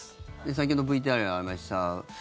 先ほどＶＴＲにもありました。